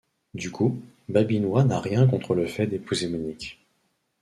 Du coup Babinois n'a rien contre le fait d'épouser Monique.